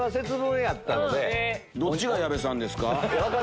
どっちが矢部さんですか？